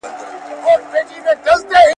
• د لښکر په شا کي ځه، په سر کې راځه.